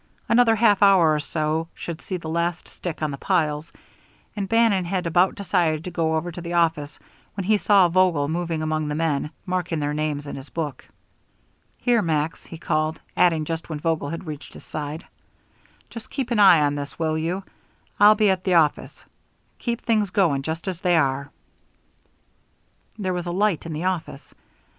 Another half hour or so should see the last stick on the piles, and Bannon had about decided to go over to the office when he saw Vogel moving among the men, marking their time in his book. "Here, Max," he called, adding, when Vogel had reached his side: "Just keep an eye on this, will you? I'll be at the office. Keep things going just as they are." There was a light in the office.